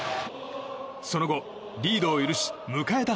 その後、リードを許し迎えた